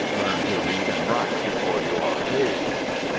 Learn to read and write before you are of age.